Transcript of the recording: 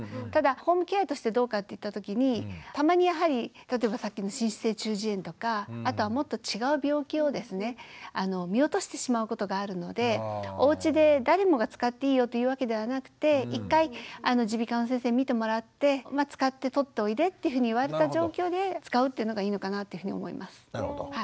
ただホームケアとしてどうかっていったときにたまにやはり例えばさっきの滲出性中耳炎とかあとはもっと違う病気をですね見落としてしまうことがあるのでおうちで誰もが使っていいよというわけではなくて一回耳鼻科の先生に診てもらって使って取っておいでっていうふうに言われた状況で使うというのがいいのかなというふうに思います。